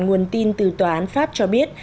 nguồn tin từ tòa án pháp cho biết